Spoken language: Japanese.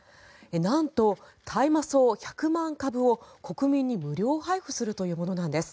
なんと、大麻草１００万株を国民に無料配布するというものなんです。